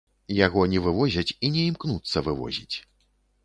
Яго не вывозяць, і не імкнуцца вывозіць.